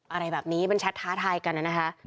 อะไรแบบนี้มันแชทท้าทายกันนะคะ